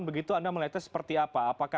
begitu anda melihatnya seperti apa